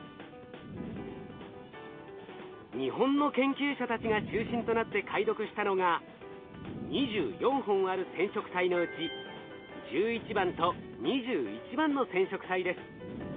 日本の研究者たちが中心となって解読したのが２４本ある染色体のうち１１番と２１番の染色体です。